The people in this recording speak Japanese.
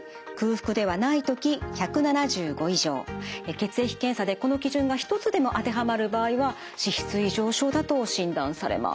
血液検査でこの基準が一つでも当てはまる場合は脂質異常症だと診断されます。